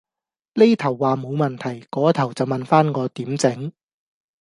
呢頭話冇問題，嗰頭就問返我點整